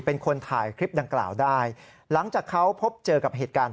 เป็นคนถ่ายคลิปดังกล่าวได้หลังจากเขาพบเจอกับเหตุการณ์